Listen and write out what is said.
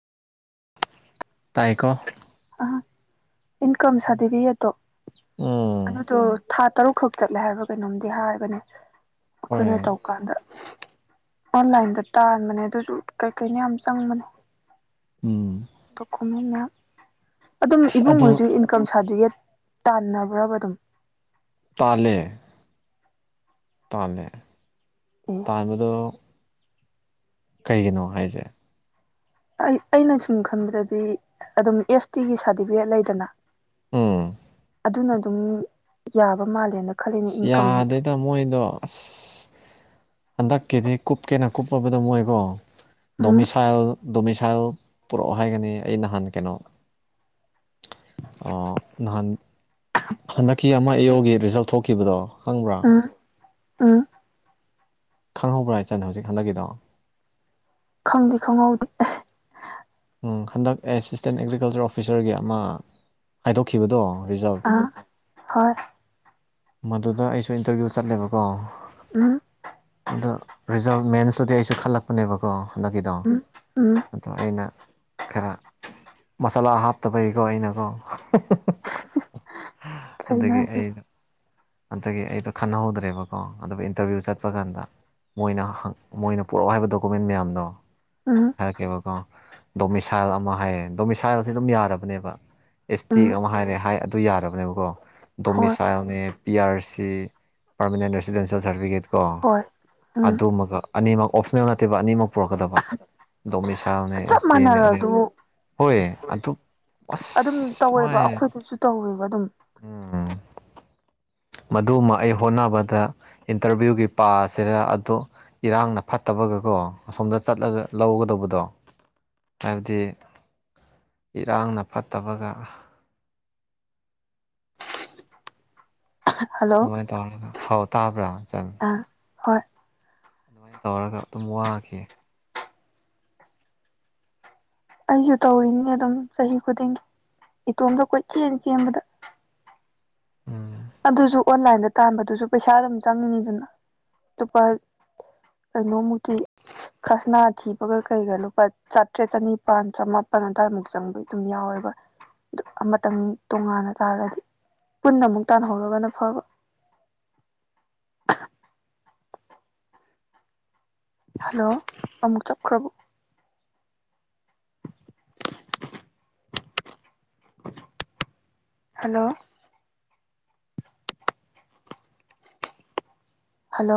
ꯇꯥꯏꯀꯣ ꯑ ꯏꯟꯀꯝ ꯁꯥꯔꯇꯤꯐꯤꯀꯦꯠꯇꯣ ꯎꯝ ꯑꯗꯨꯗꯣ ꯊꯥ ꯇꯔꯨꯛꯈꯛ ꯆꯠꯂꯦ ꯍꯥꯏꯕꯔꯥ ꯀꯩꯅꯣꯝꯗꯤ ꯍꯥꯏꯕꯅꯦ ꯍꯣꯏ ꯑꯩꯈꯣꯏꯅ ꯇꯧꯀꯥꯟꯗ ꯑꯣꯟꯂꯥꯏꯟꯗ ꯇꯥꯟꯕꯅꯦ ꯑꯗꯨꯖꯨ ꯀꯩꯀꯩꯅꯣ ꯌꯥꯝ ꯎꯝ ꯆꯪꯕꯅꯦ ꯑꯗꯨꯝ ꯑꯁ ꯏꯕꯨꯡ ꯑꯗꯨ ꯑꯣꯏꯁꯨ ꯏꯟꯀꯝ ꯁꯥꯔꯇꯤꯐꯤꯀꯦꯠ ꯇꯥꯟꯅꯕ꯭ꯔꯕ ꯑꯗꯨꯝ ꯇꯥꯜꯂꯦ ꯇꯥꯜꯂꯦ ꯑꯦ ꯇꯥꯟꯕꯗꯣ ꯀꯩꯒꯤꯅꯣ ꯍꯥꯏꯁꯦ ꯑꯩ ꯑꯩꯅ ꯁꯨꯝ ꯈꯟꯕꯗꯗꯤ ꯑꯗꯨꯝ ꯑꯦꯁ ꯇꯤꯒꯤ ꯁꯥꯔꯇꯤꯐꯤꯀꯦꯠ ꯂꯩꯗꯅ ꯎꯝ ꯑꯗꯨꯅ ꯑꯗꯨꯝ ꯌꯥꯕ ꯃꯥꯜꯂꯦꯅ ꯈꯜꯂꯤꯅꯦ ꯑꯁ ꯏꯟꯀꯝ ꯌꯥꯗꯦꯗ ꯃꯣꯏꯗꯣ ꯑꯁ ꯍꯟꯗꯛꯀꯤꯗꯤ ꯀꯨꯞꯀꯦꯅ ꯀꯨꯞꯂꯕꯗ ꯃꯣꯏꯀꯣ ꯎꯝ ꯗꯣꯃꯤꯁꯥꯏꯜ ꯗꯣꯃꯤꯁꯥꯏꯜ ꯄꯨꯔꯛꯑꯣ ꯍꯥꯏꯒꯅꯤ ꯑꯩ ꯅꯍꯥꯟ ꯀꯩꯅꯣ ꯑ ꯅꯍꯥꯟ ꯍꯟꯗꯛꯀꯤ ꯑꯃ ꯑꯦꯌ ꯑꯣ ꯒꯤ ꯔꯤꯖꯜ ꯊꯣꯛꯈꯤꯕꯗꯣ ꯈꯪꯕ꯭ꯔꯥ ꯑꯝ꯫ ꯈꯪꯍꯧꯕ꯭ꯔꯥ ꯍꯥꯏ ꯆꯠꯅ ꯍꯧꯖꯤꯛ ꯍꯟꯗꯛꯀꯤꯗꯣ꯫ ꯈꯪꯗꯤ ꯈꯪꯍꯧꯗꯦ ꯑꯥ꯫ ꯍꯟꯗꯛ ꯑꯦꯁꯤꯁꯇꯦꯟ ꯑꯦꯒ꯭ꯔꯤꯀꯜꯆꯔ ꯑꯣꯐꯤꯁꯔꯒꯤ ꯑꯃ ꯍꯥꯏꯗꯣꯛꯈꯤꯕꯗꯣ ꯔꯤꯖꯥꯜ ꯑꯥ ꯍꯣꯏ꯫ ꯃꯗꯨꯗ ꯑꯩꯁꯨ ꯏꯟꯇꯔꯚꯤꯌꯨ ꯆꯠꯂꯦꯕꯀꯣ [unintelligible] ꯑꯗꯣ ꯔꯤꯖꯜ ꯃꯦꯟꯁꯇꯨꯗꯤ ꯑꯩꯁꯨ ꯈꯜꯂꯛꯄꯅꯦꯕꯀꯣ ꯍꯟꯗꯛꯀꯤꯗꯣ ꯎꯝ ꯎꯝ ꯑꯗꯣ ꯑꯩꯅ ꯈꯔ ꯃꯁꯥꯂꯥ ꯍꯥꯞꯇꯕꯒꯤꯀꯣ ꯑꯩꯅꯀꯣ [unintelligible] ꯀꯩꯅꯣ ꯑꯗꯒꯤ ꯑꯩ ꯍꯥꯏꯁꯤꯕꯣ ꯑꯟꯗꯒꯤ ꯑꯩꯗꯣ ꯈꯟꯅꯍꯧꯗ꯭ꯔꯦꯕꯀꯣ ꯑꯗꯨꯒ ꯏꯟꯇꯔꯚꯤꯌꯨ ꯆꯠꯄ ꯀꯥꯟꯗ ꯃꯣꯏꯅ ꯃꯣꯏꯅ ꯄꯔꯛꯑꯣ ꯍꯥꯏꯕ ꯗꯣꯀꯨꯃꯦꯟ ꯃꯌꯥꯝꯗꯣ ꯎꯝ ꯍꯥꯏꯔꯛꯀꯦꯕꯀꯣ ꯗꯣꯃꯤꯁꯥꯏꯜ ꯑꯃ ꯍꯥꯏꯌꯦ ꯗꯣꯃꯤꯁꯥꯏꯜꯁꯦ ꯑꯗꯨꯝ ꯌꯥꯔꯕꯅꯦꯕ꯫ ꯑꯦꯁ ꯎꯝ ꯇꯤ ꯑꯃ ꯍꯥꯏꯔꯦ ꯍꯥꯏ ꯑꯗꯨ ꯌꯥꯔꯕꯅꯦꯕꯀꯣ꯫ ꯍꯣꯏ ꯗꯣꯃꯤꯁꯥꯏꯜꯅꯦ ꯄꯤ ꯑꯔ ꯁꯤ ꯄꯔꯃꯥꯅꯦꯟ ꯔꯦꯁꯤꯗꯦꯟꯁꯤꯌꯦꯦꯜ ꯁꯔꯇꯤꯐꯤꯦꯠ꯫ ꯀꯣ ꯍꯣꯏ ꯎꯝ ꯑꯗꯨꯃꯒ ꯑꯅꯤꯃꯛ ꯑꯣꯞꯁꯅꯦꯜ ꯅꯠꯇꯦꯕ ꯑꯅꯤꯃꯛ ꯄꯨꯔꯛꯀꯗꯕ ꯗꯣꯃꯤꯁꯥꯅꯦ ꯆꯞ ꯑꯦꯁ ꯇꯗꯤꯅꯦ ꯃꯥꯟꯅꯔ ꯑꯗꯨ ꯑꯗꯒꯤ ꯑꯗꯨꯝ ꯑꯁ ꯇꯧꯋꯦꯕ ꯍꯣꯏ ꯑꯩꯈꯣꯏꯗꯁꯨ ꯇꯧꯋꯦꯕ ꯑꯗꯨꯝ꯫ ꯎꯝ꯫ ꯃꯗꯨꯃ ꯑꯩ ꯍꯣꯠꯅꯕꯗ ꯏꯟꯇꯔꯚꯤꯌꯨꯒꯤ ꯄꯁꯤꯔ ꯑꯗꯨ ꯏꯔꯥꯡꯅ ꯐꯠꯇꯕꯒꯀꯣ ꯑꯁꯣꯝꯗ ꯆꯠꯂꯒ ꯂꯧꯒꯗꯧꯕꯗꯣ ꯍꯥꯏꯕꯗꯤ ꯏꯔꯥꯡꯅ ꯐꯠꯇꯕꯒ꯫ ꯍꯜꯂꯣ ꯑꯗꯨꯃꯥꯏꯅ ꯇꯧꯔꯒ ꯍꯥꯎ ꯇꯥꯕ꯭ꯔꯥ ꯆꯟ꯫ ꯑꯥ ꯍꯣꯏ ꯑꯗꯨꯃꯥꯏꯅ ꯇꯧꯔꯒ ꯑꯗꯨꯝ ꯋꯥꯈꯤ꯫ ꯑꯩꯁꯨ ꯇꯧꯔꯤꯅꯦ ꯑꯗꯨꯝ ꯆꯍꯤ ꯈꯨꯗꯤꯡꯒꯤ ꯏꯇꯣꯝꯗ ꯀꯣꯏꯆꯦꯟ ꯆꯦꯟꯕꯗ꯫ ꯎꯝ ꯑꯗꯨꯁꯨ ꯑꯣꯟꯂꯥꯏꯟꯗ ꯇꯥꯟꯕꯗꯨꯁꯨ ꯄꯩꯁꯥ ꯑꯗꯨꯝ ꯆꯪꯉꯤꯅꯤꯗꯨꯅ ꯂꯨꯄꯥ ꯀꯩꯅꯣꯃꯨꯛꯇꯤ ꯈꯁꯅꯥ ꯊꯤꯕꯒ ꯀꯩꯒ ꯂꯨꯄꯥ꯫ ꯆꯥꯇ꯭ꯔꯦꯠ ꯆꯅꯤꯄꯥꯟ ꯆꯃꯥꯄꯜ ꯑꯗꯨꯋꯥꯏꯃꯨꯛ ꯆꯪꯕ ꯑꯗꯨꯝ ꯌꯥꯎꯋꯦꯕ꯫ ꯑꯃꯇꯪ ꯇꯣꯉꯥꯟꯅ ꯇꯥꯔꯒꯗꯤ ꯄꯨꯟꯅ ꯑꯃꯨꯛ ꯇꯥꯟꯍꯧꯔꯒꯅ ꯐꯕ꯫ ꯍꯜꯂꯣ ꯑꯃꯨꯛ ꯆꯞꯈ꯭ꯔꯕꯣ꯫ ꯍꯜꯂꯣ꯫ ꯍꯜꯂꯣ